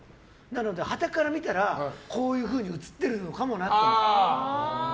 はたから見たら、こういうふうに映っているのかもなと。